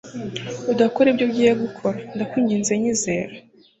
udakora ibyo ugiye gukora, ndakwinginze nyizera